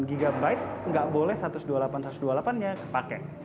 satu ratus dua puluh delapan gb nggak boleh satu ratus dua puluh delapan gb nya kepake